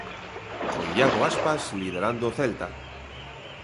Con Iago Aspas liderando o Celta.